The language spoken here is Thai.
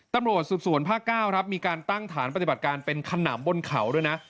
ตำรวจสืบสวนภาค๙ครับมีการตั้งฐานปฏิบัติการเป็นขนำบนเขาด้วยนะ